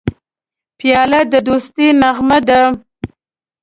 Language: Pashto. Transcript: پیاله د دوستی نغمه ده.